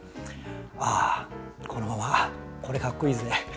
ああこのまま「これ、かっこイイぜ！」